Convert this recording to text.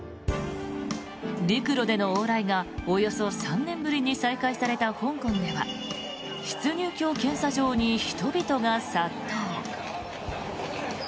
陸路での往来がおよそ３年ぶりに再開された香港では出入境検査場に人々が殺到。